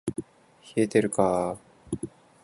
冷えてるか～